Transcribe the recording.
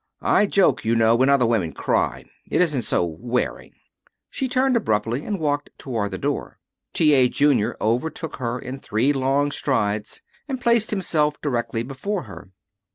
I joke, you know, when other women cry. It isn't so wearing." She turned abruptly and walked toward the door. T. A. Junior overtook her in three long strides, and placed himself directly before her.